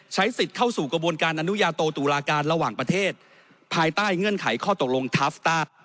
สิทธิ์เข้าสู่กระบวนการอนุญาโตตุลาการระหว่างประเทศภายใต้เงื่อนไขข้อตกลงทาฟสต้า